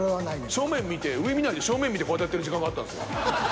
正面見て上見ないで正面見てこうやってる時間があったんです。